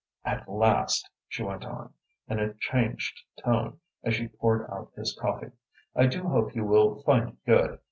At last!" she went on, in a changed tone, as she poured out his coffee. "I do hope you will find it good.